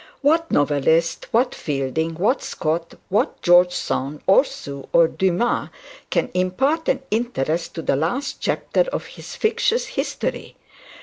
What novelist, what Fielding, what Scott, what George Sand, or Sue, or Duncan, can impart an interest to the last chapter of his fictitious history?